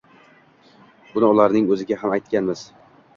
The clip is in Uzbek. Buni ularning o‘ziga ham aytganmiz.